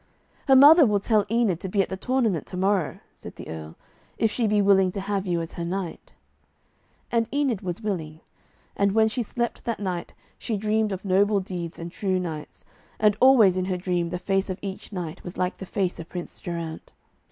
'Her mother will tell Enid to be at the tournament to morrow,' said the Earl, 'if she be willing to have you as her knight.' And Enid was willing. And when she slept that night she dreamed of noble deeds and true knights, and always in her dream the face of each knight was like the face of Prince Geraint.